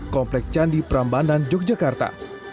komplek candi prambanan yogyakarta